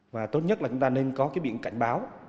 và tốt nhất là chúng ta nên có cái biển cảnh báo